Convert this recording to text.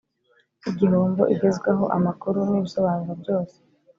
Igihombo igezwaho amakuru n ibisobanuro byose